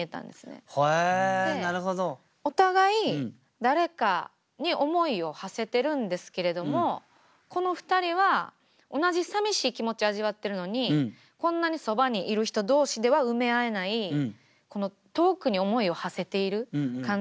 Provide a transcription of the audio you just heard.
お互い誰かに思いを馳せてるんですけれどもこの２人は同じさみしい気持ち味わってるのにこんなにそばにいる人同士では埋め合えない遠くに思いを馳せている感じ。